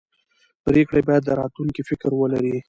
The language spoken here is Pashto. پرېکړې باید د راتلونکي فکر ولري